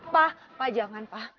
pak jangan pak